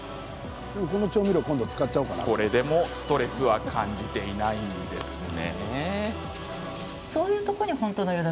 これでもストレスは感じていないんですね。